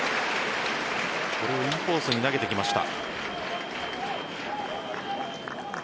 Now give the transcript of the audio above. これをインコースに投げてきました。